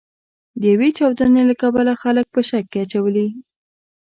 د یوې چاودنې له کبله خلک په شک کې اچولي.